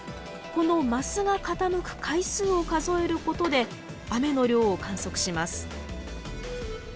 この升が傾く回数を数えることで雨の量を観測します。